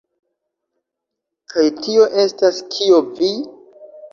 Kaj tio estas kio vi?